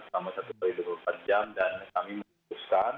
selama satu x dua puluh empat jam dan kami memutuskan